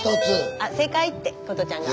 あ「正解！」って琴ちゃんが。